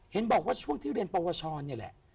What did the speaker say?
เห็นบอกว่าช่วงที่เรียนปวชรนี่แหละ